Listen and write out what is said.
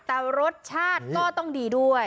แต่รสชาติก็ต้องดีด้วย